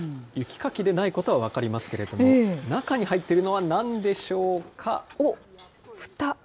雪かきでないことは分かりますけれども、中に入っているのはなんでしょうか。